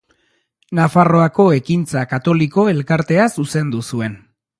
Nafarroako Ekintza Katoliko elkartea zuzendu zuen.